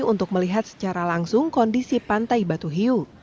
untuk melihat secara langsung kondisi pantai batu hiu